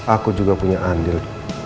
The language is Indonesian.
aku juga punya andin